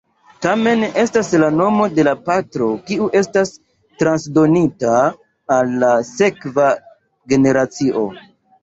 Tamen estas la nomo de la patro kiu estas transdonita al la sekva generacio.